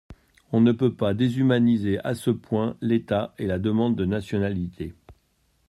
On ne peut pas déshumaniser à ce point l’État et la demande de nationalité.